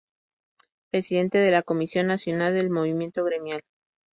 Presidente de la Comisión Nacional del Movimiento Gremial.